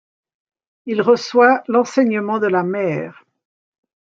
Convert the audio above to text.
Il y reçoit l’enseignement de la Mère.